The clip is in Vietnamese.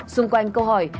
xung quanh câu hỏi